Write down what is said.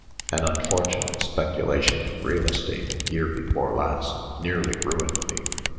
An unfortunate speculation in real estate, year before last, nearly ruined me.